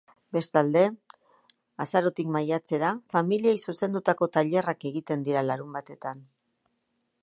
Bestalde, azarotik maiatzera, familiei zuzendutako tailerrak egiten dira larunbatetan.